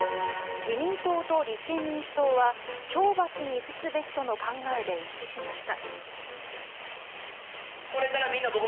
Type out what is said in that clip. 自民党と立憲民主党は懲罰にふすべきとの考えで一致しました。